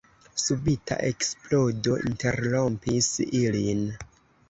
Subita eksplodo interrompis ilin.